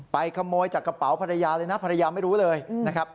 ขโมยจากกระเป๋าภรรยาเลยนะภรรยาไม่รู้เลยนะครับ